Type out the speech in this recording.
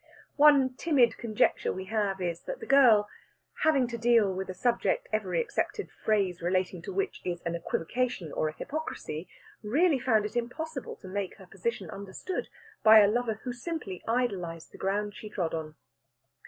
One timid conjecture we have is, that the girl, having to deal with a subject every accepted phrase relating to which is an equivocation or an hypocrisy, really found it impossible to make her position understood by a lover who simply idolized the ground she trod on.